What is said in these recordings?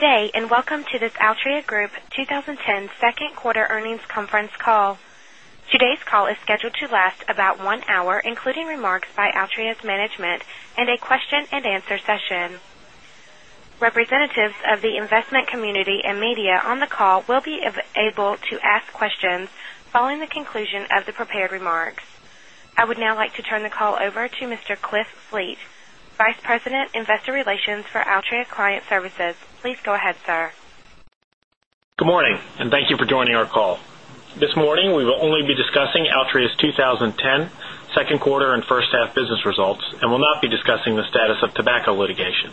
Good day, and welcome to this Altria Group 20 10 Second Quarter Earnings Conference Call. Today's call is scheduled to last about 1 hour, including remarks by Altria's management and a question and answer session. I would now like to turn the call over to Mr. Cliff Fleet, Vice President, Investor Relations for Altria Client Services. Please go ahead, sir. Good morning and thank you for joining our call. This morning, we will only be discussing Altria's 20 10 second quarter and first half business results and will not be discussing the status of tobacco litigation.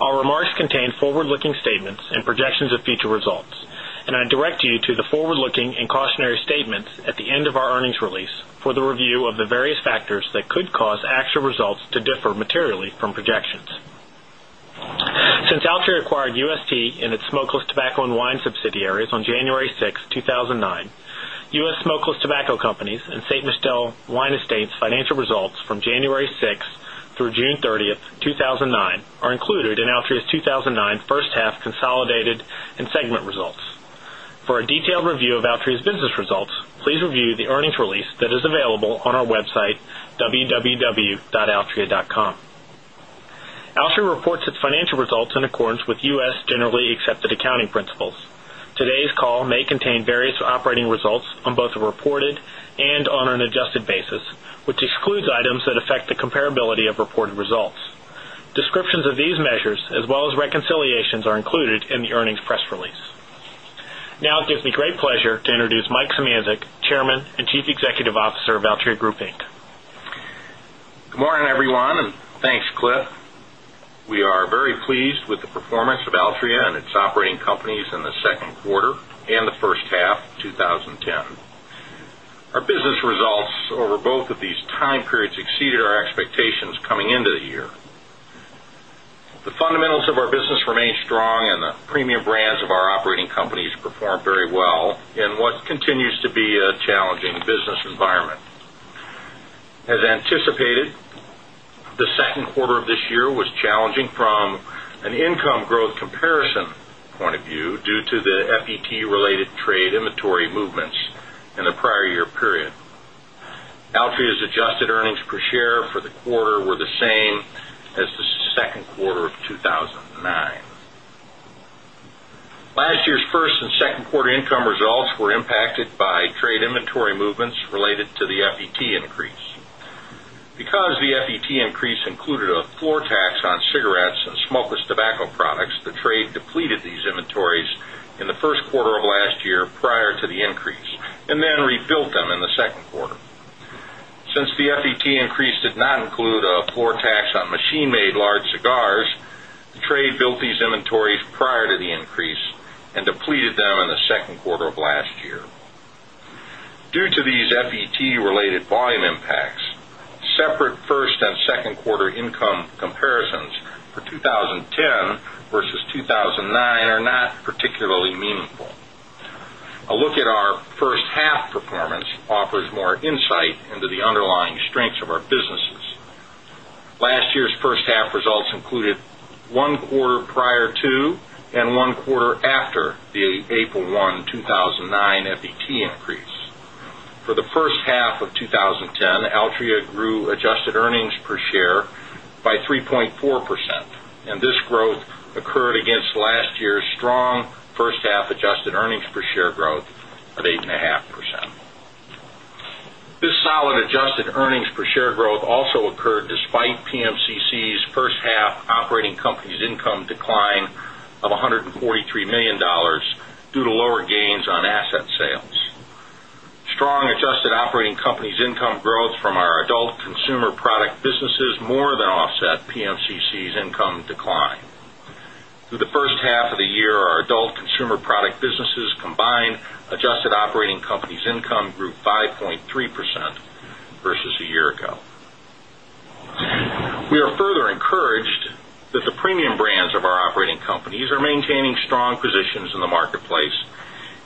Our remarks contain forward looking statements and projections of future results, and I direct you to the forward looking and cautionary statements at the end of our earnings release for the review of the various factors that could cause actual results to differ materially from projections. Since Altria acquired UST and its smokeless tobacco and wine subsidiaries on January 6, 2009. U. S. Smokeless Tobacco Companies and Saint Juste Wine Estates financial results from January 6 through June 30, 2009 are included in Altria's 2,009 first half consolidated and segment results. For a detailed review of Altria's business results, please review the earnings release that is available on our website, www.altria.com. Altria reports its financial results in accordance with U. S. Generally accepted accounting principles. Today's call may contain various operating results on both a reported and on an adjusted basis, which excludes items that affect the comparability of reported results. Descriptions of these measures the performance of Altria and its operating companies in the second quarter and the first half twenty ten. Our business results over both of these time our operating companies performed very well in what continues to be a challenging business environment. As anticipated, the Q2 of this year was challenging from an income growth comparison point of view due to the quarter were the same as the Q2 of 2009. Last year's 1st and second quarter income results were impacted by trade inventory movements related to these inventories in the Q1 of last year prior to the increase and then rebuilt them in the Q2. Since the FET increase did not include a floor tax on machine made large cigars, the trade built these inventories prior to the increase and depleted them in the second quarter of last year. Due to these FET related volume impacts, separate first and second quarter income comparisons for 2010 versus 2,009 are not particularly meaningful. A look at our first half performance offers more insight into the underlying strengths of our businesses. Last year's first half results included 1 quarter prior to and 1 quarter after the April 1, 2009 FET increase. For the first half of twenty ten, Altria grew adjusted earnings per share by 3.4 percent and this growth occurred against last year's strong first half adjusted earnings per share growth of 8.5%. This solid adjusted earnings per share growth also occurred despite PMCC's first half operating company's income decline of $143,000,000 due to lower gains on asset sales. Strong adjusted operating company's income growth from our adult consumer product businesses more than offset PMCC's income decline. Through the first half of the year, our adult consumer product businesses combined adjusted operating companies companies are maintaining strong positions in the marketplace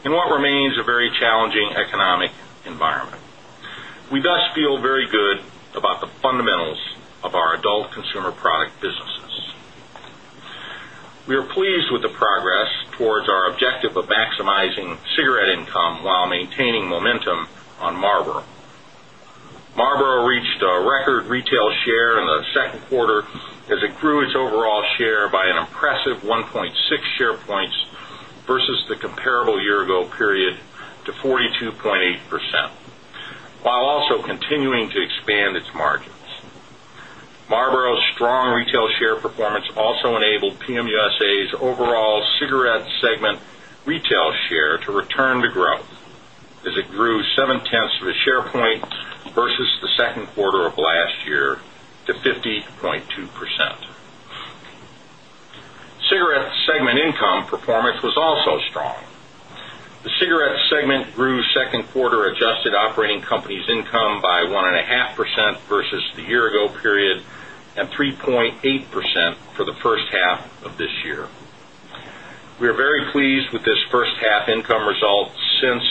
in what remains a very challenging economic environment. We thus feel very good about the fundamentals of our adult consumer product businesses. We are pleased with the progress towards our objective of maximizing cigarette income while maintaining momentum on Marlboro. Marlboro reached a record retail share in the Q2 as it grew its overall share by an impressive 1.6 share points versus the comparable year ago period to 42.8%, while also continuing to expand its margins. Marlboro's strong retail share performance also enabled PM USA's overall cigarette segment retail share to return to growth as it grew 7 tenths of a share point versus the Q2 of last year to 50.2%. Cigarettes segment income performance was also strong. The cigarette segment grew 2nd quarter adjusted operating company's income by 1.5% versus the year ago period and 3.8% for the first half of this year. We are very pleased with this first half income result since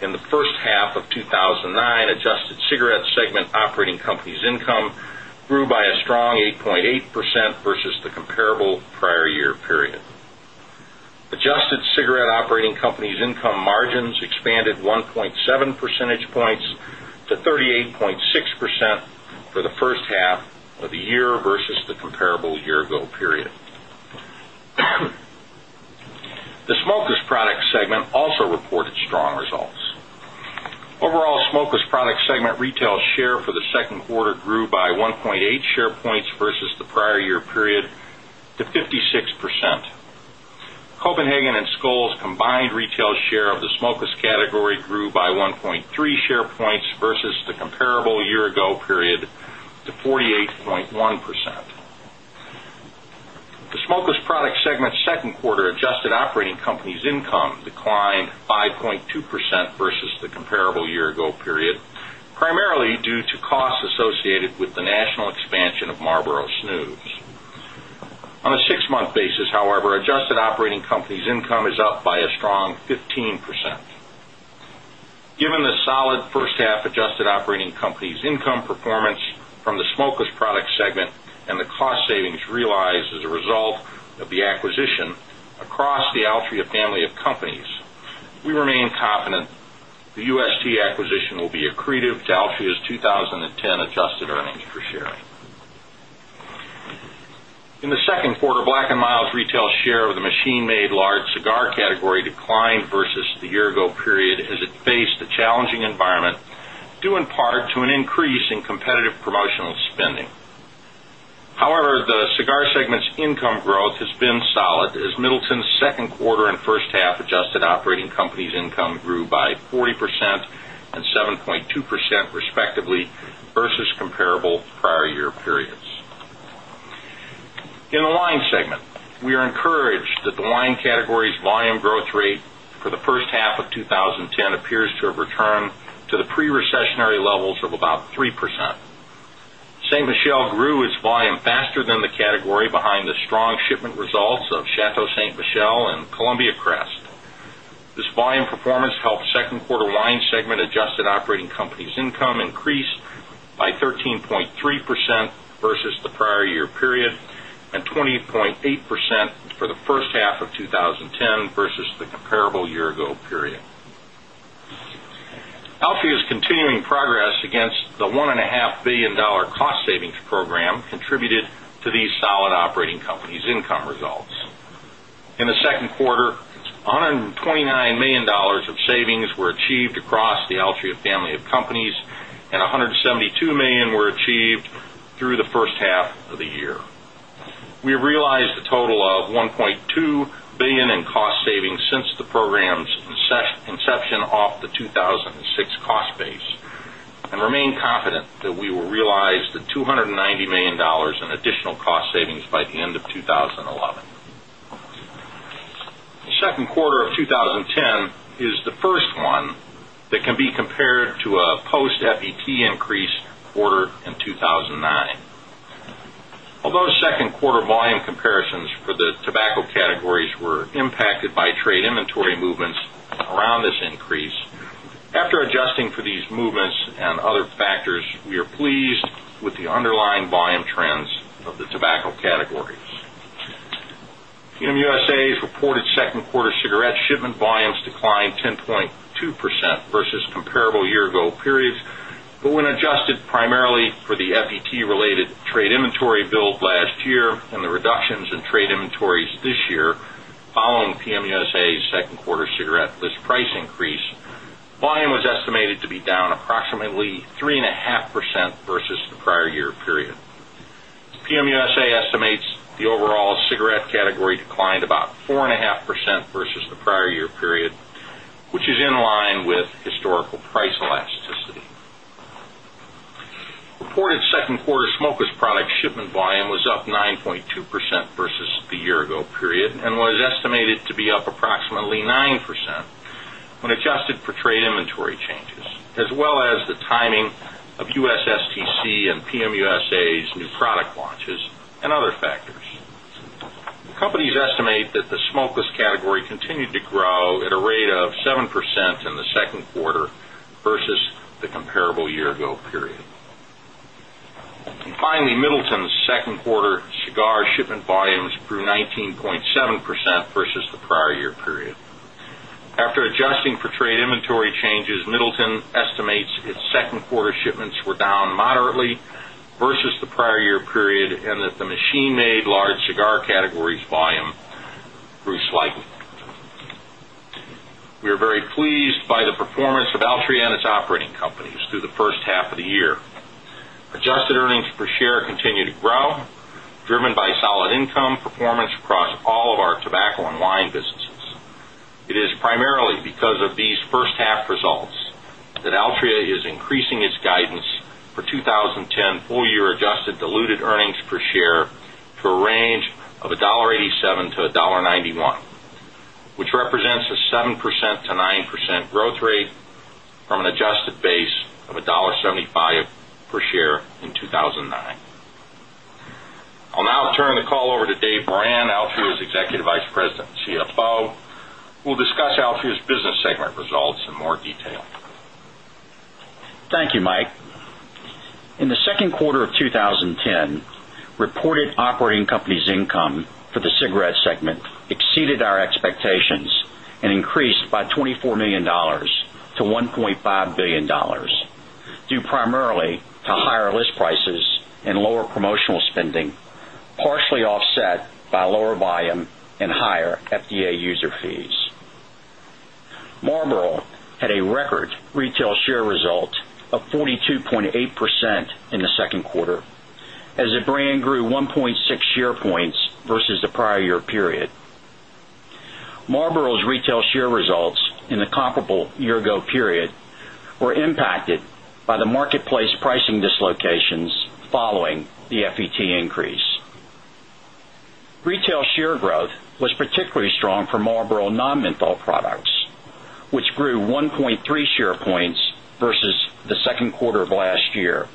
in the first half of twenty nineteen adjusted cigarette segment operating companies income grew by a strong 8.8% versus the comparable prior year period. Adjusted cigarette operating companies income margins expanded 1.7 percentage points to 38.6 percent for the first half of the year versus the comparable year ago period. The Smokeless Products segment also reported strong results. Overall Smokeless Products segment retail share for the 2nd quarter grew by 1.8 share points versus the prior year period to 50 6%. Copenhagen and Skol's combined retail share of the Smokas category grew by 1.3 share points versus the comparable year ago period to 48.1%. The Smokeless Products segment's 2nd quarter adjusted operating company's income declined 5.2% versus the comparable year ago period, primarily due to costs associated with the national expansion of Marlboro snus. On a 6 month basis, however, adjusted operating company's income is up by a strong 15%. Given the solid first half adjusted operating company's income performance from the Smokush product segment and the cost savings realized as a result of the acquisition across the Altria family of companies. We remain share. In the Q2, Black and Mild's retail share of the machine made large cigar category declined versus the year ago period as it faced a challenging environment due in part to an increase in competitive promotional spending. However, the Cigar segment's income growth has been solid as Middleton's 2nd quarter and first half adjusted operating companies income grew by 40% and 7.2% respectively versus comparable prior year periods. In the wine segment, we are encouraged that the wine category's volume growth rate for the first half of twenty ten appears to have returned to the pre recessionary levels of about 3 percent. Ste. Michelle grew its volume faster than the category behind the strong shipment results of Chateau Ste. Michelle and Columbia Crest. This volume performance helped 2nd quarter wine segment adjusted operating companies income increase by 13.3% versus the prior year period and 20.8% for the first half of twenty 10 versus the comparable year ago period. Elfia's continuing progress against the $1,500,000,000 cost savings program contributed to these solid operating companies' income results. In the 2nd quarter, dollars 129,000,000 of savings were achieved across the Altria family of companies and $172,000,000 were achieved through the first half of the year. We have realized a total of $1,200,000,000 in cost savings since the program's inception cost savings by the end of 2011. The Q2 of 2010 is the first one that can be compared to a post FET increase quarter in 2,009. Although adjusting for these movements and other factors, we are pleased with the underlying volume trends of the tobacco categories. Hum USA's reported 2nd quarter cigarette shipment volumes declined 10.2% versus comparable year ago periods, but when adjusted primarily for the FET related trade inventory build last year and the reductions in trade inventories this year following PM USA's 2nd quarter cigarette list price increase, volume was estimated to be down approximately 3.5% versus the prior year period. PM USA estimates the overall cigarette category declined about 4.5% the prior year period, which is in line with historical price elasticity. Reported second quarter Smokas product shipment volume was up 9.2% versus the year ago period and was estimated to be up approximately 9% when adjusted for trade inventory changes, as well as the timing of USSTC and PM USA's new product launches and other factors. Companies estimate that the smokeless category continued to grow at a rate of 7% in the second quarter versus the comparable year ago period. And finally, Middleton's 2nd quarter cigar shipment volumes grew 19.7% versus the prior year period. After adjusting for trade inventory changes, Middleton estimates its 2nd quarter shipments were down moderately versus the prior year period and that the machine made large cigar categories volume grew slightly. We are very pleased by the performance of Altria and its operating companies through the first half of the year. Adjusted earnings per share continue to grow, driven by solid income performance across all of our tobacco and wine businesses. It is primarily because of these first half results that Altria is increasing its guidance for 20 10 full year adjusted diluted earnings per share to a range of $1.87 to $1.91 which represents a 7% to 9% growth rate from an adjusted base of $1.75 per share in 2,009. I'll now turn the call over to Dave Moran, Altria's Vice President and CFO, who will discuss Altria's business segment results in more detail. Thank you, Mike. In the quarter of 2010, reported operating companies income for the cigarette segment exceeded our expectations and increased by $24,000,000 to $1,500,000,000 due primarily to higher list prices and lower promotional spending, partially products, which grew 1.3 share points versus the Q2 of last year.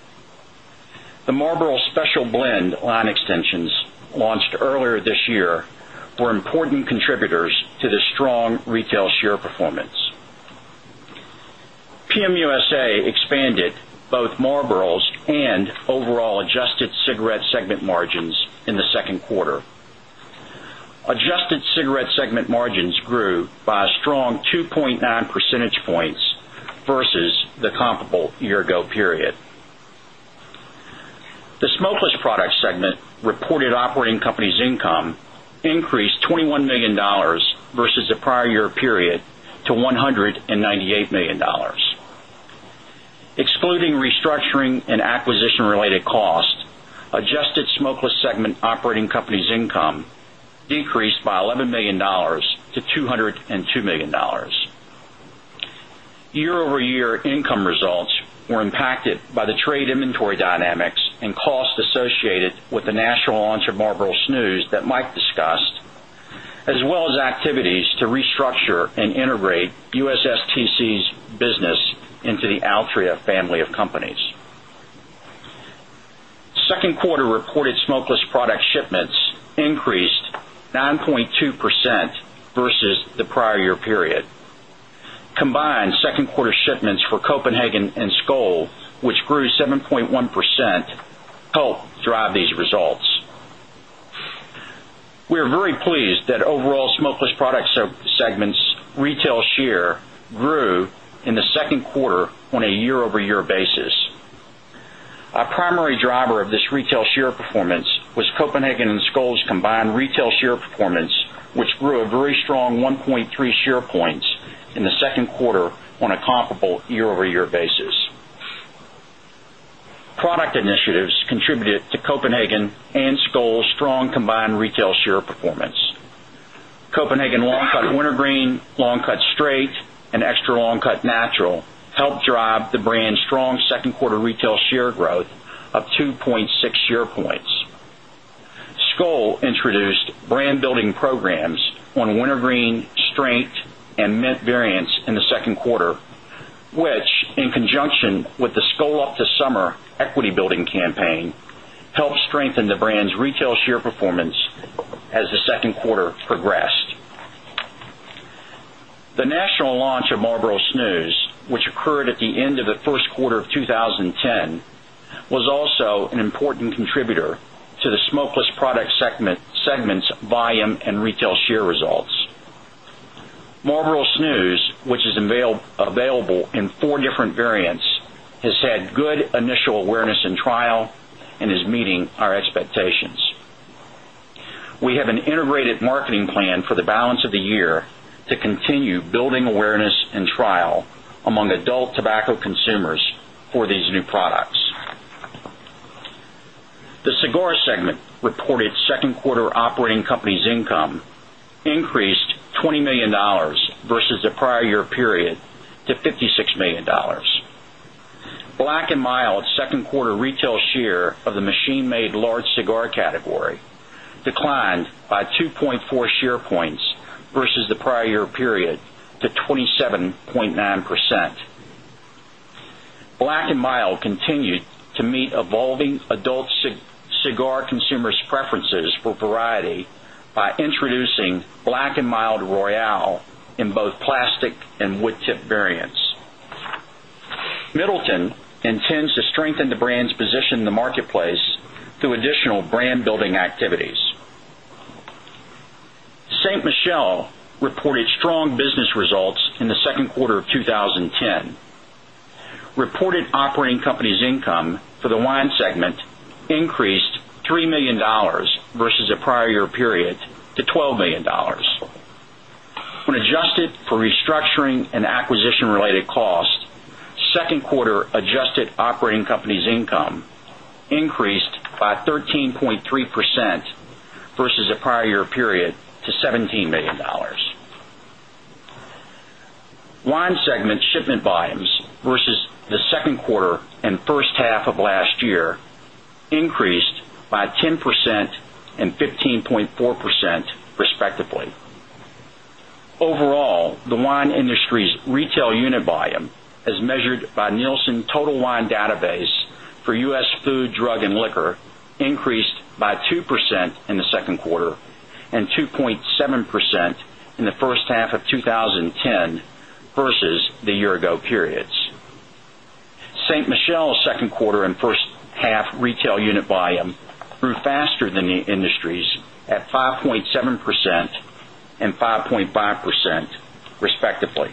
The Marlboro special blend line extensions launched earlier this year were important contributors to the strong retail share performance. PM USA expanded both Marlboro's and overall comparable year ago period. The Smokeless Products segment reported operating companies income increased $21,000,000 versus the prior year period to $198,000,000 Excluding restructuring and acquisition related costs, adjusted Smokeless segment operating company's income decreased by $11,000,000 to 202,000,000 dollars Year over year income results were impacted by the trade inventory dynamics and cost associated with the national launch of Marlboro snus that Mike discussed, as well as activities to restructure and integrate USSTC's business into the Altria family of companies. 2nd quarter reported smokeless product shipments increased share performance was Copenhagen and Skol's combined retail share performance, which grew a very strong 1.3 share points in the 2nd quarter on a comparable year over year basis. Share performance. Copenhagen Longcut Wintergreen, Longcut Straight and Extra Longcut Natural helped drive the brand's strong 2nd quarter retail share growth of 2.6 share points. Skol introduced brand building programs on Wintergreen, Strength and Mint variance in the 2nd quarter, which in conjunction with the The national launch of Marlboro Snooze, which occurred at the end of the Q1 of 2010 was also an important contributor to the smokeless product segment's volume and retail share results. Marlboro snus, which is available in 4 different variants, has had good initial awareness in trial and is meeting our expectations. We have an integrated marketing plan for the balance of the year to continue building awareness and trial among adult tobacco consumers for these new products. The Cigar segment reported 2nd quarter operating company's income increased $20,000,000 versus the prior year period to $56,000,000 Black and mild tip variants. Middleton intends to strengthen the brand's position in the marketplace through additional brand building activities. St. Michel reported strong business results in the Q2 of 2010. Reported operating companies income for the wine segment increased $3,000,000 versus the prior year period to $12,000,000 When adjusted for restructuring and acquisition related costs, dollars Wine segment shipment volumes versus the second quarter and first half of last year increased by 10% and 15.4%, respectively. Overall, the wine industry's retail unit volume as measured by Nielsen Total Wine database for U. S. Food, drug and liquor increased by 2 in the second quarter and 2.7% in the first half of twenty ten versus the year ago periods. St. Michelle's 2nd quarter and first half retail unit volume grew faster than the industries at 5 point 7% and 5.5 percent respectively.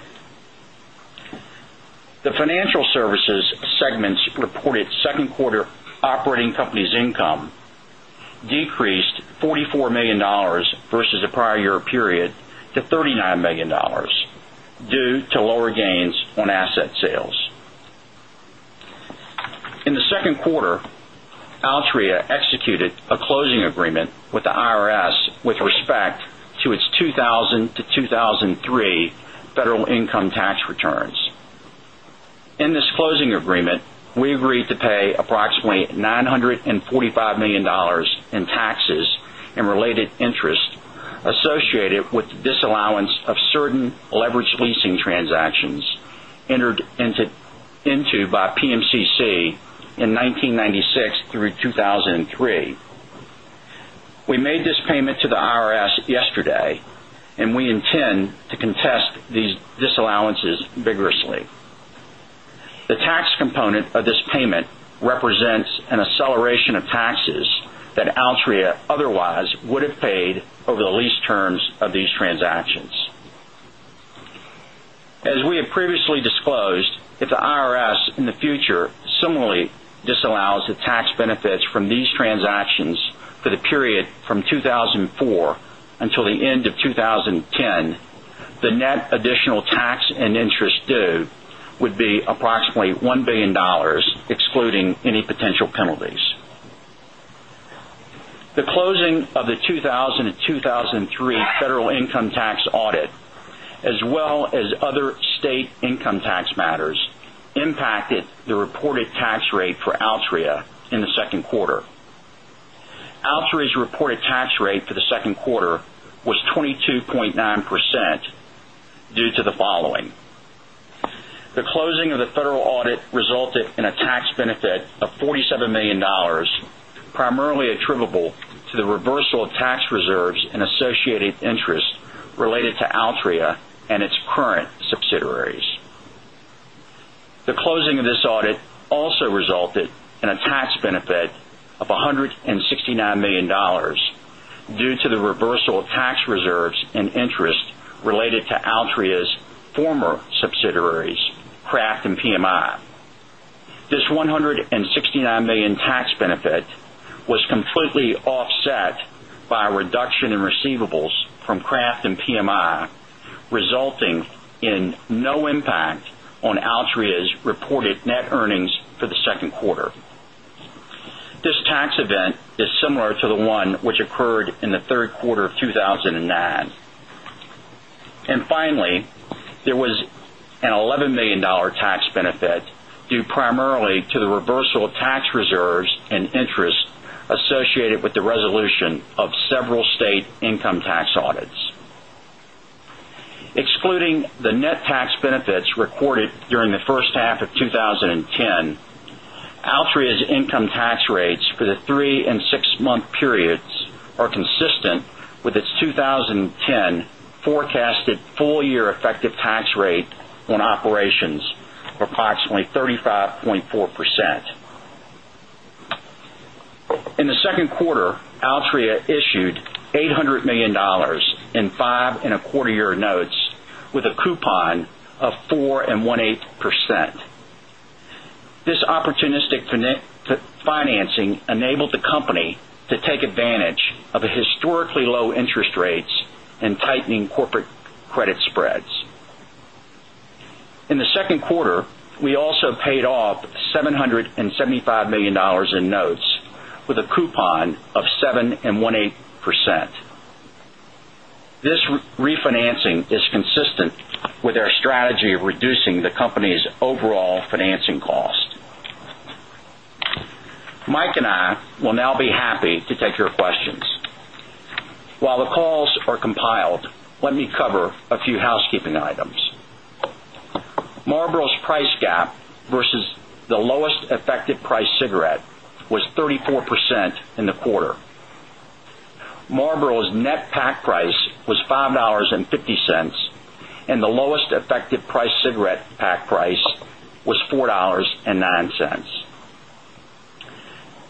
The Financial Services segments reported 2nd quarter operating company's income decreased $44,000,000 versus the prior year period to 39,000,000 dollars due to lower gains on asset sales. In the second quarter, Altria executed a in by PMCC in 1996 through 2003. We made this payment to the IRS yesterday and we intend to contest these disallowances vigorously. The tax component of this payment represents an acceleration of taxes that Altria otherwise would have paid over the lease terms of these transactions. As we have As we have previously disclosed, if the IRS in the future similarly disallows the tax benefits from these transactions for the period from 2 1004 until the end of 2010, the net additional tax and interest due would be approximately 1,000,000,000 dollars excluding any potential penalties. The closing of the 2000 and in the second quarter. Altria's reported tax rate for the 2nd quarter was 22.9% due to the following. The closing of the federal audit resulted in a tax benefit of $47,000,000 primarily attributable to the reversal of tax reserves and associated interest related to Altria and its current subsidiaries. The closing of this audit also resulted in a tax benefit of $169,000,000 due to the reversal of of This tax event is similar to the one which occurred in the Q3 of 2009. And finally, there was an 11,000,000 dollars tax benefit due primarily to the reversal of tax reserves and interest associated with the resolution of several state income tax audits. Excluding the net tax benefits recorded during the first half of twenty 2010 forecasted full year effective tax rate on operations of approximately 35.4 percent. In the 2nd quarter, Altria issued 800,000,000 dollars in 5.25 year notes with a coupon of 4.1 and oneeight percent. This opportunistic financing enabled the company to take advantage of a historically low interest rates and tightening corporate credit a coupon of 7.18%. This refinancing is consistent with our strategy of reducing the company's overall financing pack price was 5 $0.09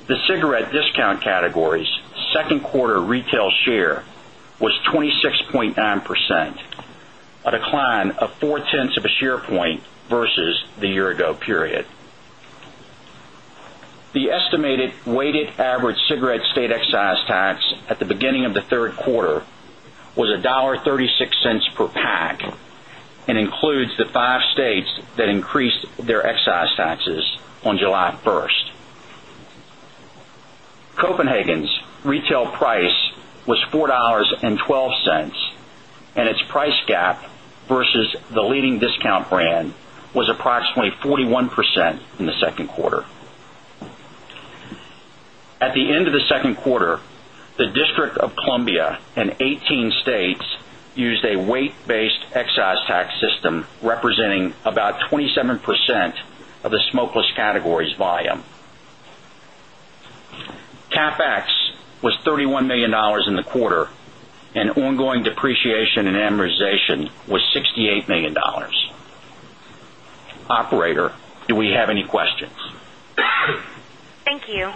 The cigarette discount category's 2nd quarter retail share was 26 point 9%, a decline of 0.4 The estimated weighted average cigarette state excise tax at the beginning of the 3rd quarter was $1.36 per pack and includes the 5 states that increased their excise taxes on July 1. Copenhagen's retail price was $4.12 and its price gap versus the leading discount the percent of the smokeless categories volume. CapEx was $31,000,000 in the quarter and ongoing depreciation and amortization was $68,000,000 Operator, do we have any questions? Thank you.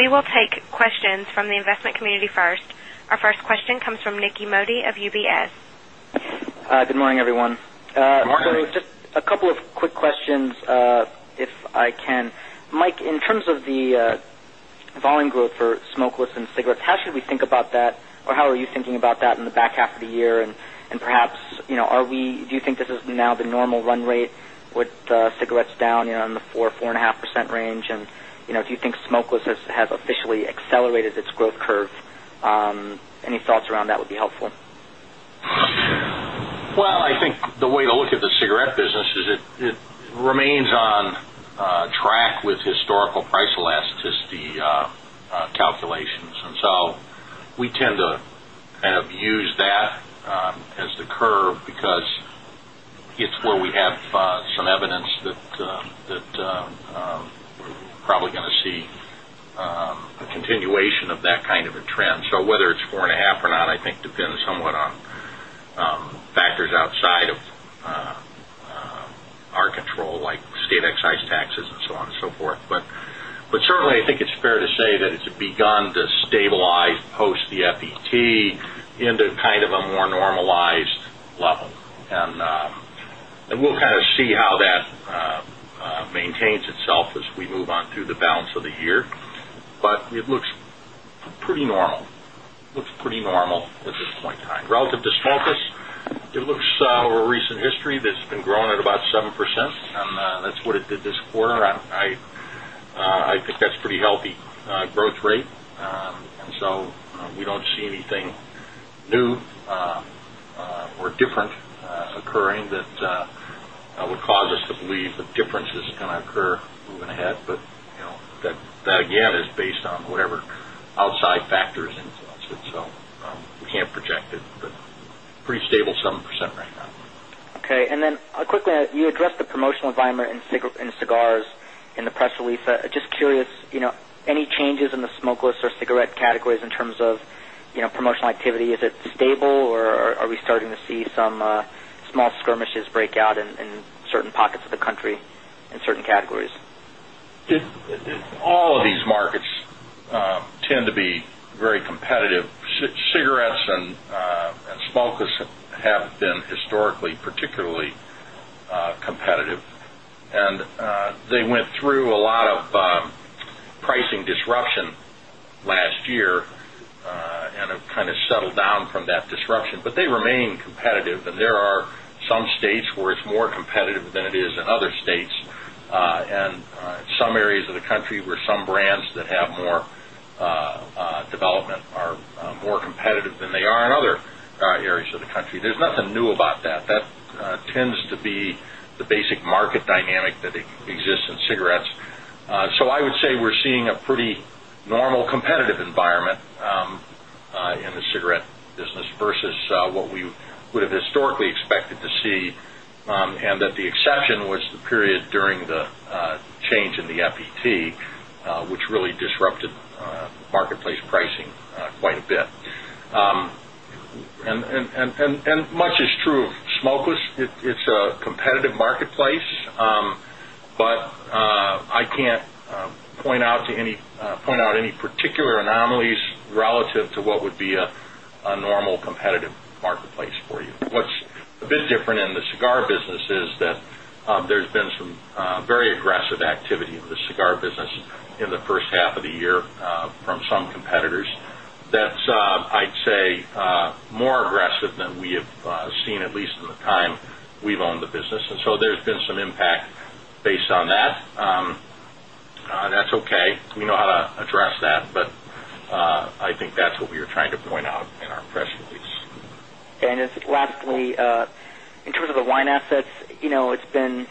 Will take questions from the investment community first. Our first question comes from Nicky Modi of UBS. Good morning, everyone. Just a couple of quick questions, if I can. Mike, in terms of the volume growth for smokeless and cigarettes, should we think about that? Or how are you thinking about that in the back half of the year? And perhaps, are we do you think this is now the normal run rate with cigarettes down in the 4%, 4.5% range? And do you think smokeless helpful. Well, I think the way the whole tip of the iceberg is helpful. Well, I think the way to look at the cigarette business is it remains on track with historical price elasticity calculations. And so, as the curve because it's where we have some evidence that we're probably going to see a continuation of that kind of a trend. So whether it's 4.5 percent or not, I think depends somewhat on factors outside of our control like state excise taxes and so on and so forth. But certainly, I think it's fair to say that it's begun to stabilize post the FET into a more normalized level. And we'll see how that maintains itself as we move on through the balance of the year. But it looks pretty normal. It looks pretty normal at this point in time. Relative to Smokas, it looks our recent history that's been growing at about 7% and that's what it did this quarter. I think that's pretty healthy growth rate. And so, we don't see anything new or different occurring that would cause us to believe that difference is going to occur moving ahead. But that again is based on whatever outside factors influence itself. We can't project it, but pretty stable 7% right now. Okay. And then quickly, you addressed the promotional environment in cigars in the press release. Just curious, out in certain pockets of the country in certain categories? All of these markets tend to be very competitive. Cigarettes and smokers have been historically particularly competitive. And they went through a lot of pricing disruption last year and have kind of settled down from that disruption, but they remain competitive. And there are some states where it's more competitive than it is in other states. And some areas of the country where some brands that have more development are more competitive than they are in other areas of the country. There's nothing new about that. That tends to be the basic market dynamic that exists in in cigarettes. So I would say we're seeing a pretty normal competitive environment in the cigarette business versus what we would have historically expected to see and that the exception was the period during the change in the marketplace pricing quite a bit. And much is true of smokeless. It's a cigar business is that there's been some very aggressive activity in the cigar business in the first half of the year from some competitors. That's, I'd say, more aggressive than we have seen at least in the time we've owned the business. And so there's been some impact based on that. That's okay. We know how to address that, but I think that's what we are trying to point out in our press release. And just lastly, in terms of the wine assets, it's been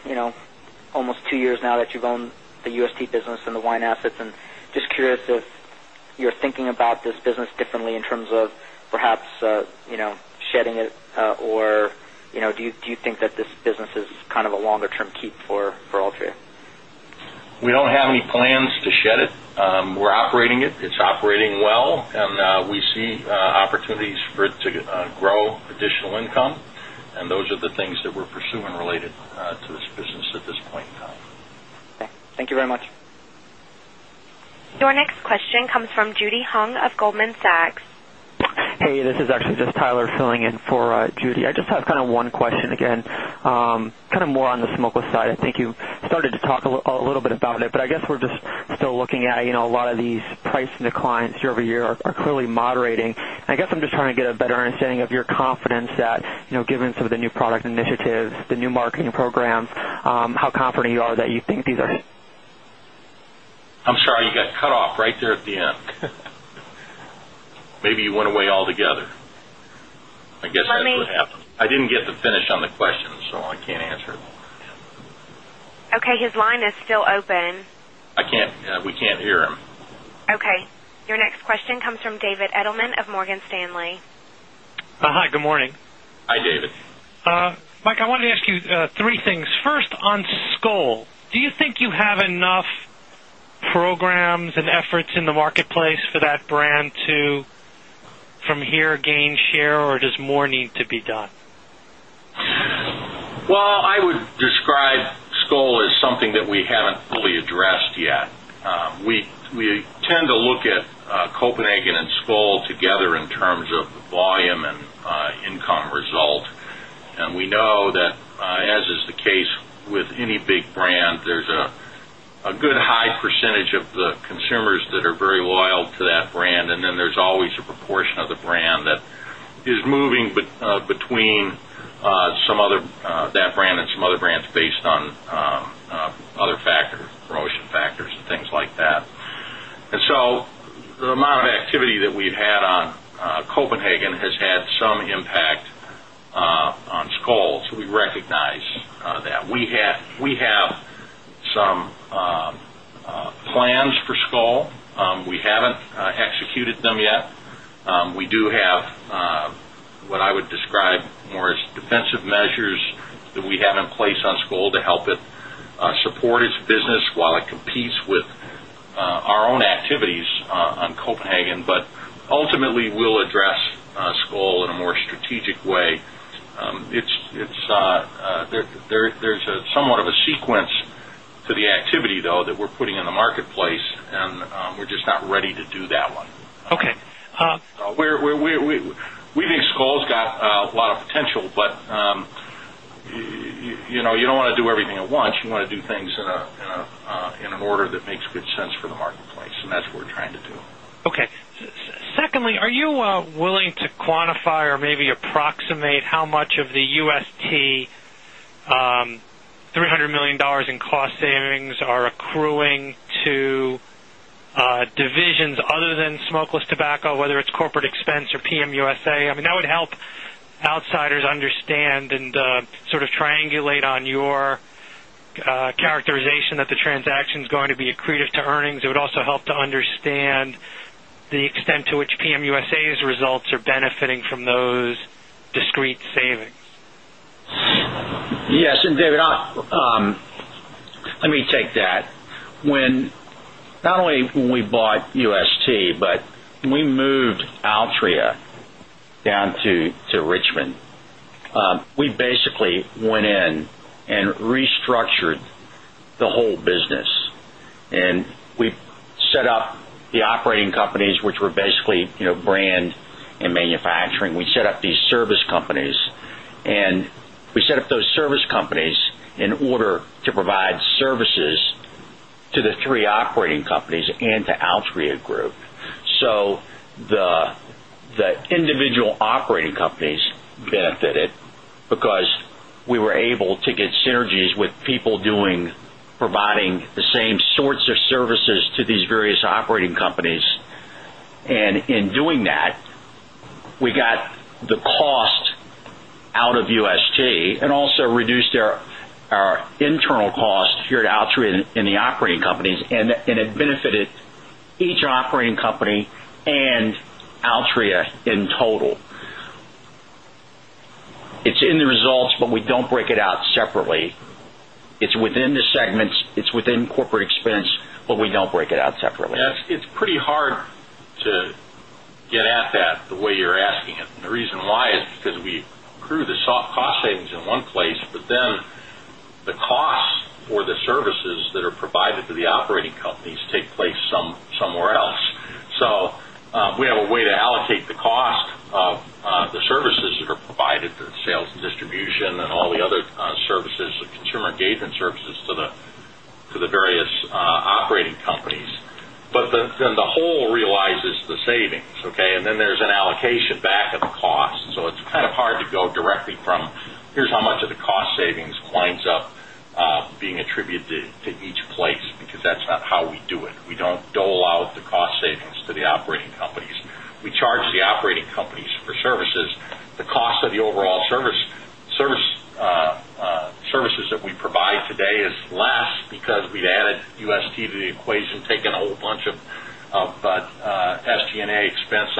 almost two years now that you've owned the UST business and the wine assets. And just curious if you're thinking about this business differently in terms of perhaps shedding it or do you think that this business is kind of a longer term keep for Altria? We don't have any plans to shed it. We're operating it. It's operating well and we see opportunities for it to grow additional income. And those are the things This is actually just Tyler filling in for Judy. I just have kind of one question again, kind of more on the smokeless side. I think you started to talk a little bit about it, but I guess we're just still looking at a lot of these price declines year over year are clearly moderating. I guess I'm just trying to get a better understanding of your confidence that given some of the new product initiatives, the new marketing programs, how confident you are that you think these are? I'm sorry, you got cut off right there at the end. Maybe you went away altogether. I guess that's what happened. I didn't get to finish on the question, so I can't answer it. Your next question comes from David Edelman of Morgan Stanley. Hi, good morning. Hi, David. Mike, I wanted to ask you three things. First on Skol, do you think you have enough programs and efforts in the marketplace for that brand to from here gain share or does more need to be done? Well, I would describe Skol as something that we haven't fully addressed yet. We tend to look at Copenhagen and Skull together in terms of volume and income result. And we know that as is the case with any big brand, there's a good high percentage of the consumers that are very loyal to that brand. And then there's always a proportion of the brand that is moving between some other that brand and some other brands based on other factor promotion factors and things like that. And so the amount of activity that we've had on Copenhagen has had some impact on Skol. So we recognize that. We have some plans defensive measures that we have in place on Skol to help it support its business while it competes with our own activities on Copenhagen, but ultimately will address Skol in a more strategic way. There is somewhat of a sequence to the activity though that we're putting in the marketplace and we're just not ready to do that one. Okay. We think Skol has got a lot of potential, but you don't want to do everything at once. You want to do things in an order that makes good sense for the marketplace. And that's what we're trying to do. Okay. Secondly, are you willing to quantify or maybe approximate much of the UST $300,000,000 in cost savings are accruing to divisions other than smokeless tobacco, whether it's corporate expense or PM USA. I mean, that would help outsiders understand and sort of triangulate on your characterization that the transaction is going to be accretive to earnings. It would also help to understand the extent to which PM USA's results are benefiting from those discrete savings? Yes. And David, let me take that. When not only when we bought UST, but when we moved Altria down to Richmond, we basically went in and restructured the whole business. And we set those service those service companies in order to provide services to the 3 operating companies and to Altria Group. So the individual operating companies benefited because we were able to get synergies with people doing providing the same sorts of services to these various operating companies. And in doing that, we got the cost out of USG and also reduced our internal cost here at Altria in the operating companies and it results, but we don't break it out separately. It's within the segments. It's within corporate expense, but we don't break it out separately. Yes, it's pretty hard to get at that the way you're asking it. And the reason why is because we accrue the soft cost savings in one place, but then the costs for the services that are provided to the operating companies take place somewhere else. So, we have a way to allocate the cost of the services that are provided to the sales and distribution and all the other services the consumer engagement services to the various operating companies. But then the whole realizes the savings, okay? And then there's an allocation back at the cost. So it's kind of hard to go directly from here's how much of the cost savings climbs up being attributed to each place, because that's not how we do it. We don't dole out the cost savings to the operating companies. We charge the operating companies for services. The cost of the overall services that we provide today is less because we've added UST to the equation, taken a whole bunch of SG and A expense.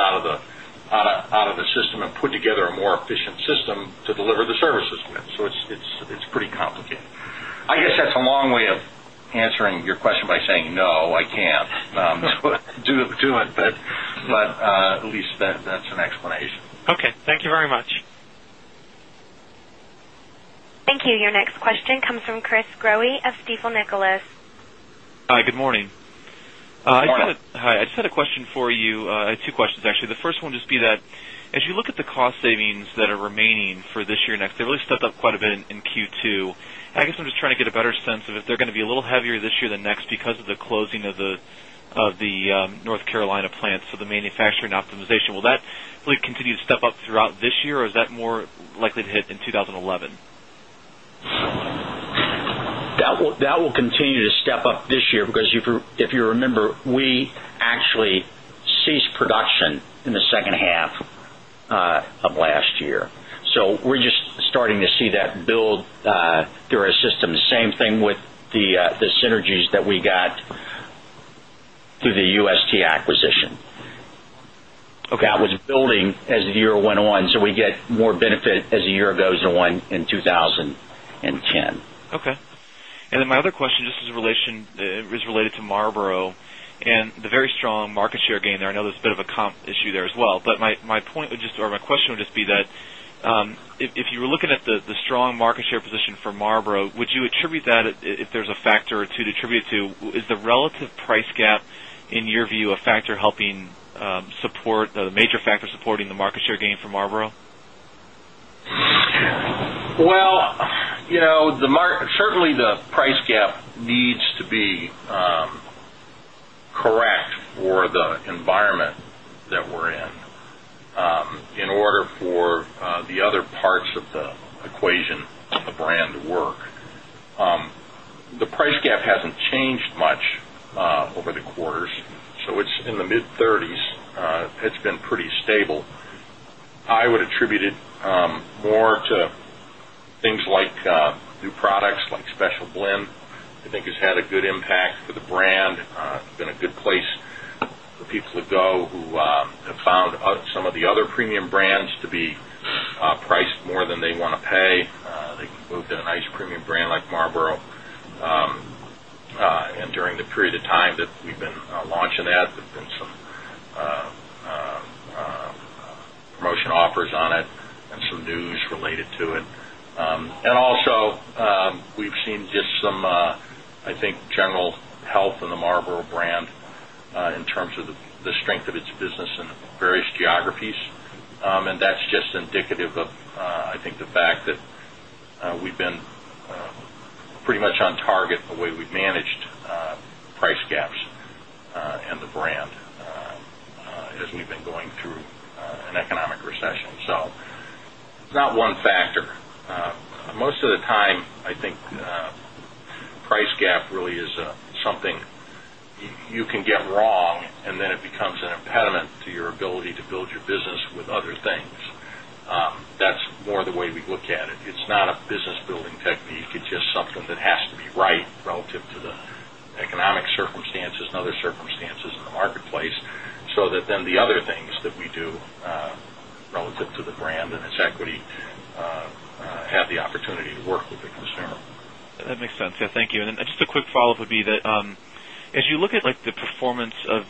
Services. So, it's pretty complicated. I guess, that's a long way to services with. So it's pretty complicated. I guess that's a long way of answering your question by saying, no, I can't do it, but at least that's an explanation. Okay. Thank you very much. Thank you. Your question comes from Chris Growe of Stifel Nicolaus. Hi, good morning. Hi, Chris. Hi. I just had a question for you. Two questions actually. The first one would just be that, as you look at the cost savings that are remaining for this year next, they really stood up quite a bit in Q2. And I guess I'm just trying to get a better sense of if they're going to be a little heavier this year than next because of the closing of the North Carolina plants for the manufacturing optimization. Will that really continue to step up throughout this year or is that more likely to hit in 2011? That will continue to step up this year because if you remember, we actually ceased production in the second half of last year. So we're just starting to see that build through our system. Same thing with the synergies that we got through the UST acquisition. That was building as the year went on, so we get more benefit as the year goes on in 2010. Okay. And then my other question just is related to Marlboro and the very strong market share gain there. I know there's a bit of a comp issue there as well. But my point would just or my question would just be that, if you were looking at the strong market share position for Marlboro, would you attribute that if there's a factor to attribute to is the relative price gap in your view a factor helping support the major supporting the market share gain for Marlboro? Well, certainly the price gap needs to be correct for the environment that we're in, in order for the other parts of the equation of the brand to work. The price gap hasn't changed much over the quarters. So it's in the mid-30s. It's been pretty stable. I would attribute it more to things like new products like Special Blend, I think has had a good impact for the brand. It's been a good place for people to go who have found some of the other premium brands to be priced more than they want to pay. They moved to a nice premium brand like Marlboro. And during the period of time that we've been launching that, there have been some promotion offers on it and some news related to it. And also, we've seen just some, I think, general health in the Marlboro brand in terms of the strength of its business in various geographies. And that's just indicative of, I think, the fact that we've been pretty much on target the way we've managed price gaps and the brand as we've been going through an economic recession. So it's not one factor. Most of the time, I think price gap really is something you get wrong and then it becomes an impediment to your ability to build your business with other things. That's more the way we look at it. It's not a business building technique. It's just something that has to be right relative to the economic circumstances and other circumstances in the market place. So that then the other things that we do relative to the brand and its equity have the opportunity to work with the consumer. That makes sense. Thank you. And then just a quick follow-up would be that, as you look at like the performance of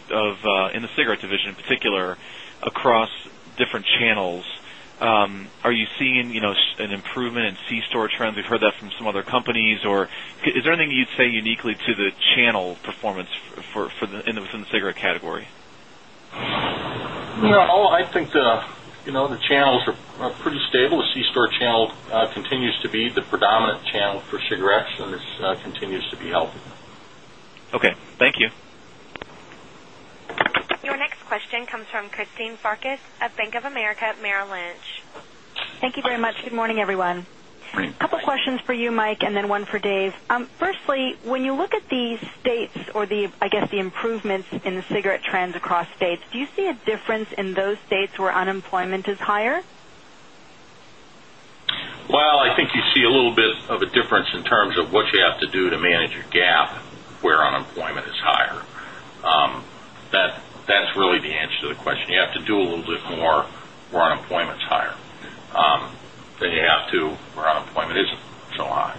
in the cigarette division in particular across different channels. Are you seeing an improvement in C store trends? We've heard that from some other companies or is there anything you'd say uniquely to the channel performance for the in the cigarette category? No. I think the channels are pretty stable. The C store channel continues to be the predominant channel for cigarettes and this continues to be healthy. Okay. Thank you. Your next question comes from Christine Farkas of Bank of America Merrill Lynch. Thank you very much. Good morning, everyone. Good morning. Couple of questions for you, Mike, and then one for Dave. Firstly, when you look at these states or the I guess the improvements in the cigarette trends across states, do you see a difference in those states where unemployment is higher? Well, I think you see a little bit of a difference in terms of what you have to do to manage your GAAP where unemployment is higher. That's really the answer to the question. You have to do a little bit more where unemployment is higher than you have to where unemployment isn't so high.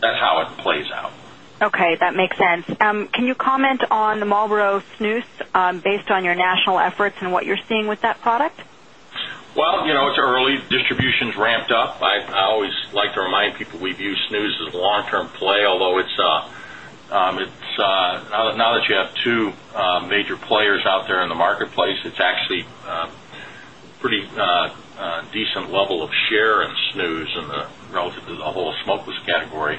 That's how it plays out. Okay. That makes sense. Can you Distribution is ramped up. I always like to remind people we've used snus distribution is ramped up. I always like to remind people we view snooze as a long term play, although it's now that you have 2 major players out there in the marketplace, it's actually pretty category. And I think that it has had some category.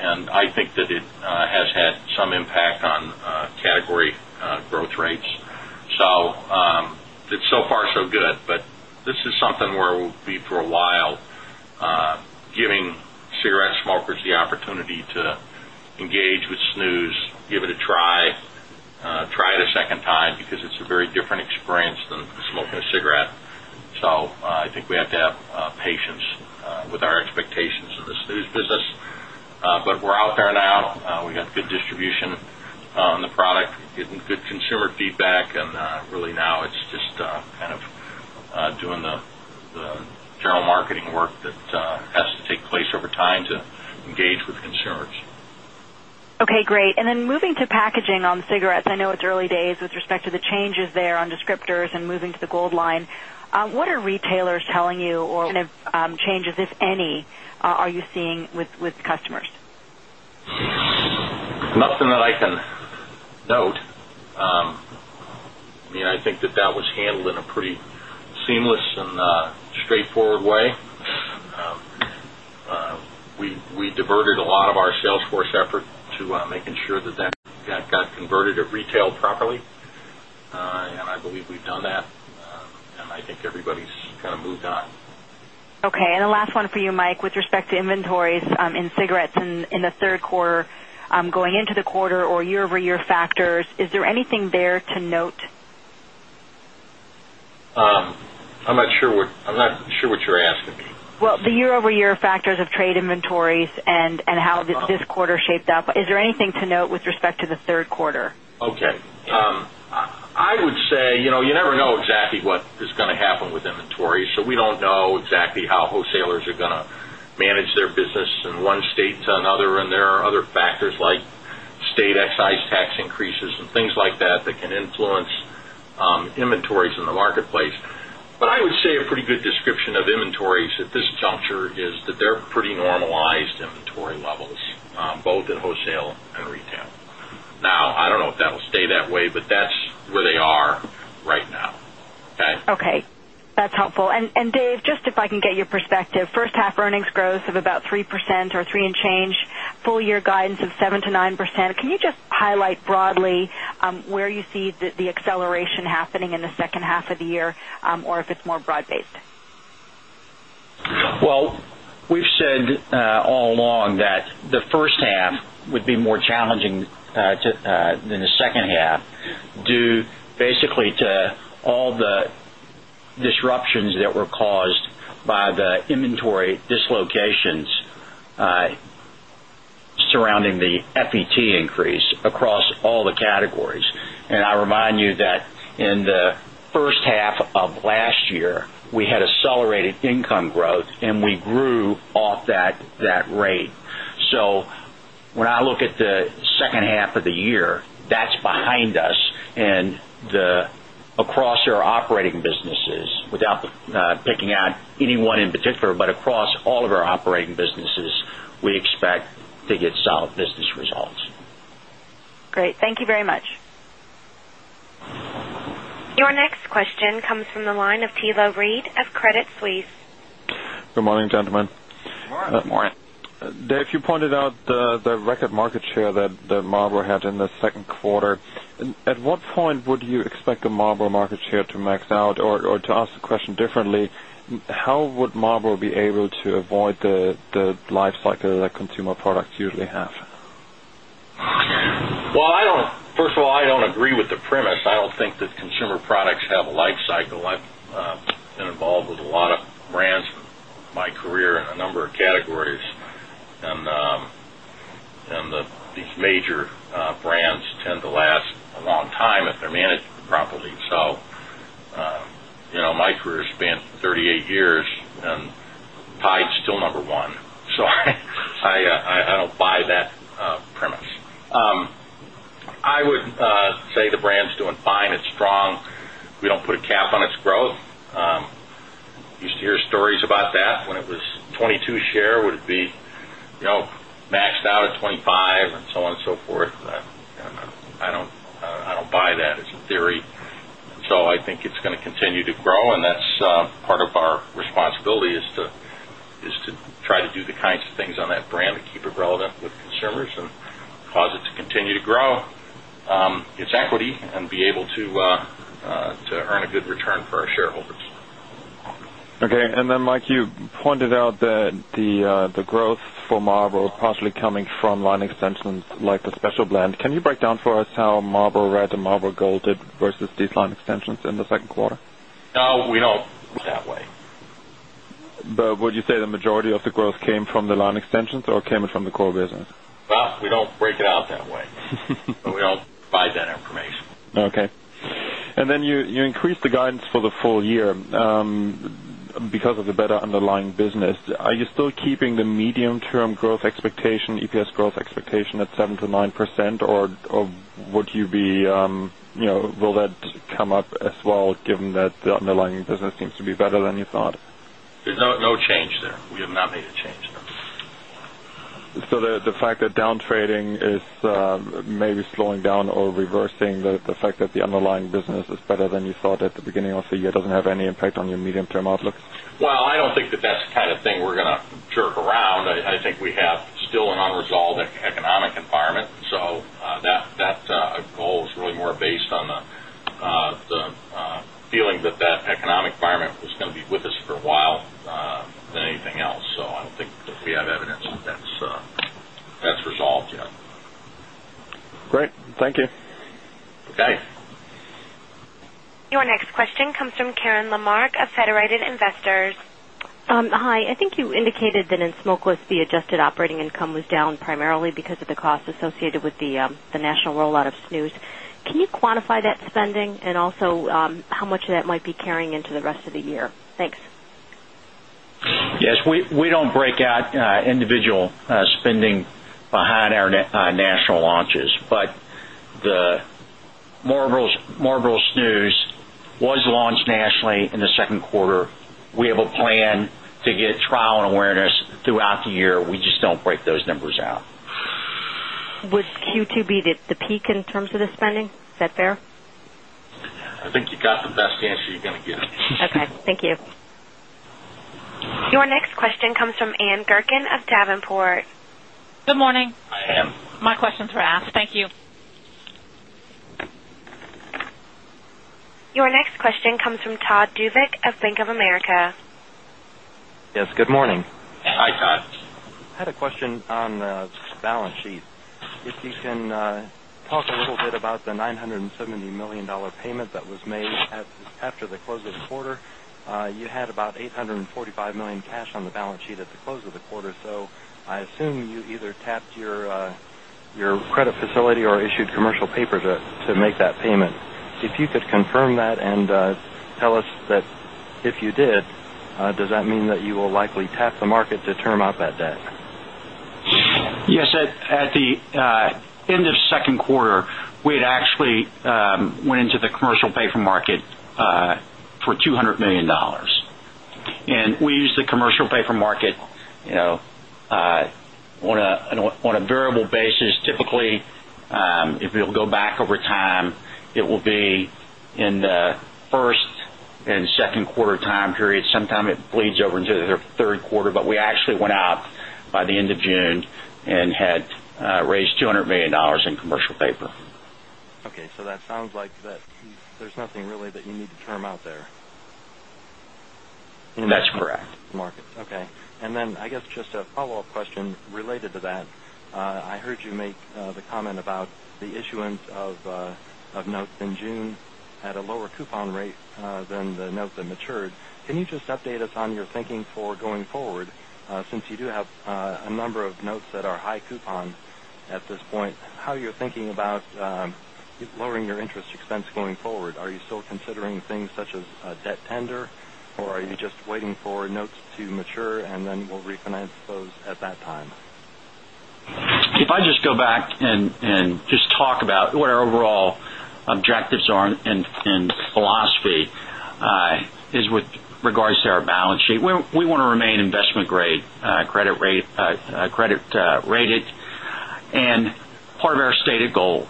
And I think that it has had some impact on category growth rates. So, it's so far so good, but this is something where we'll be for a while giving cigarette smokers the opportunity to engage with snus, give it a try, try it a second time because it's a very different experience than smoking a cigarette. So, I think we have to have patience with our expectations in the snooze business. But we're out there now. We got good distribution on the product, getting good consumer feedback and really now it's just kind of doing the general marketing work that has to take place over time to engage with consumers. Okay, great. And then moving to packaging on cigarettes, I know it's early days with respect to the changes there on descriptors and moving to the gold line. What are retailers telling you or kind of changes if any are you seeing with customers? Nothing that I can note. I mean, I think that that was handled in a pretty seamless and straightforward way. We diverted a lot of our sales force effort to making sure that that got converted to retail properly. And I believe we've done that. And I think everybody's kind of moved on. Okay. And the last one for you Mike with respect to inventories in cigarettes in the 3rd quarter going into the quarter or year over year factors. Is there anything there to note? I'm not sure what sure what you're asking me. Well, the year over year factors of trade inventories and how this quarter shaped up, is there anything to note with respect to the Q3? Okay. I would say, you never know exactly what is going to happen with inventory. So we don't know exactly how wholesalers are going to manage their business in one state to another and there are other factors like state excise tax increases and things like that that can influence inventories in the marketplace. But I would say a pretty good description of inventories at this juncture is that they're pretty normalized inventory levels, both in wholesale and retail. Now, I don't know if that will stay that way, but that's where they are right now. Okay. That's helpful. And Dave, just if I can get your perspective, first half earnings growth of about 3% or 3% and change, full year guidance of 7% to 9%. Can you just highlight broadly where you see the acceleration happening in the second half of the year or if it's more broad based? Well, we've said all along that the first half would be more challenging than the second half due basically to all the disruptions that were caused by the inventory dislocations surrounding the FET increase across all the categories. And I remind you that in the first half of last year, we had accelerated income growth and we grew off that rate. So when I look at the second half of the year, that's behind us and the across our operating businesses without picking out anyone in particular, but across all of our operating businesses, we expect to get solid business results. Great. Thank you very much. Your next question comes from the line of Tilo Reid of Credit Suisse. Good morning, gentlemen. Dave, you pointed out the record market share that Marlboro had in the second quarter. At what point would you expect the Marlboro market share to max out? Or to ask the question differently, how would Marlboro be able to avoid the life cycle that consumer products usually have? Well, I don't first of all, I don't agree with the premise. I don't think that consumer products have a life cycle. I've been involved with a lot of products have a life cycle. I've been involved with a lot of brands in my career in a number of categories. And these major brands tend to last a long time if they're managed properly. So my career has been 38 years and Tide is still number 1. So I don't buy that premise. I would say the brand is doing fine. It's strong. We don't put a cap on its growth. You $0.22 share would it be maxed out at $0.25 and so on and so forth. I don't buy that as a theory. So I think it's going to continue to grow and that's part of our responsibility is to try to do the kinds of things on that brand to keep it relevant with consumers and cause it to continue to grow its equity and be able to earn a good return for our shareholders. Okay. And then Mike, you pointed out that the growth for Marlboro partially coming from extensions like the Special Blend. Can you break down for us how Marlboro Red and Marlboro Gold did versus these line extensions in the Q2? No, we don't that way. But would you say the majority of the growth came from the line extensions or came in from the core business? Well, we don't break it out that way. We don't provide that information. Okay. And then you increased the guidance for the full year because of the better underlying business, are you still keeping the medium term growth expectation, EPS growth expectation at 7% to 9% or would you be will that come up as well given that the underlying business seems to be better than you thought? No change there. We have not made a change there. So the fact that down trading is maybe slowing down or reversing the fact that the underlying business is better than you thought at the beginning of the year doesn't have any impact on your medium term outlook? Well, I don't think that that's kind of thing we're going to jerk around. I think we have still an unresolved economic environment. So that goal is really more based on the feeling that that economic environment was going to be with us for a while than anything else. So I don't think that we have evidence that's resolved yet. Great. Thank you. Okay. Your next question comes from Karen Lamarc of Federated Investors. Hi. I think you indicated that in Smokeless, the adjusted operating income was down primarily because of the costs associated with the national rollout of snus. Can you quantify that spending? And also how much of that might be carrying into the rest of the year? Thanks. Yes. We don't break out individual spending behind our national launches. But the Marlboro snus was launched nationally in the Q2. We have a plan to get trial and awareness throughout the year. We just don't break those numbers out. Was Q2 be the peak in terms of the spending? Is that fair? I think you got best answer you're going to get. Okay. Thank you. Your next question comes from Ann Gurkin of Davenport. Good morning. Hi, Ann. My Your next question comes from Todd Duvink of Bank of America. Yes, good morning. Hi, Todd. I had a question on balance sheet. If you can talk a little bit about the $970,000,000 payment that was made after the close of the quarter. You had about $845,000,000 cash on the balance sheet at the close of the quarter. So I assume you either tapped your credit facility or issued commercial paper to make that payment. If you could confirm that and tell us that if you did, does that mean that you will likely tap the market to term out that debt? Yes. At the end of second quarter, we had actually went into the commercial paper market for $200,000,000 And we use the commercial paper market on a variable basis. Will go back over time, it will be in the 1st and second quarter time period. Sometime it bleeds over into the Q3, but we actually went out by the end of June and had raised $200,000,000 in commercial paper. Okay. So that sounds like that there's nothing really that you need to term out there? That's correct. Okay. And then I guess just a follow-up question related to that. I heard you make the comment about the issuance of notes in June at a lower coupon rate than the notes that matured. Can you just update us on your thinking for going Are you still considering things such as debt tender? Or are you just waiting for notes to mature and then we'll refinance those at that time? If I just go back and just talk about what our overall objectives are and philosophy is with regards to our balance sheet. We want to remain investment grade credit rated. And part of our stated and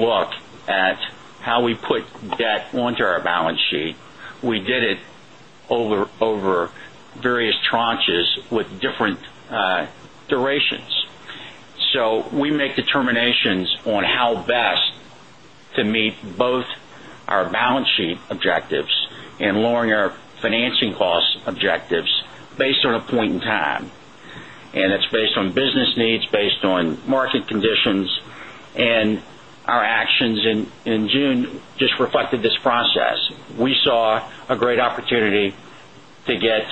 look at how we put debt onto our balance sheet, we did it over various tranches with different durations. So we make determinations on how best to meet both our balance sheet objectives and lowering our financing cost objectives based on a point in time. And that's based on business needs, based on market conditions and our actions in June just reflected this process. We saw a great opportunity to get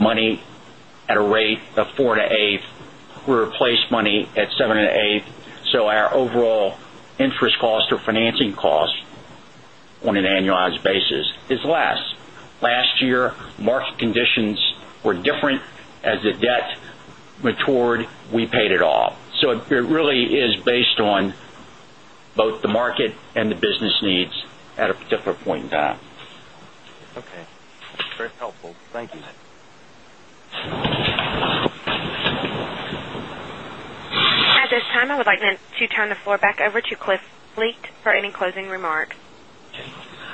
money at a rate of 4% to 8%. We replaced money at 7% to 8%. So our overall interest cost or financing cost on an annualized basis is less. Last year, market conditions were different as the debt matured, we paid it off. So it really is based on both market and the business needs at a particular point in time. Okay. That's very helpful. Thank you. At this time, I would like to turn the floor back over to Cliff Leekt for any closing remarks.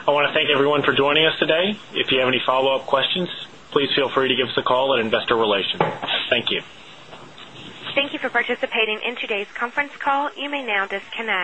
I want to thank everyone for joining us today. If you have any follow-up questions, please feel free to give us a call at Investor Relations. Thank you. Thank you for participating in today's conference call. You may now disconnect.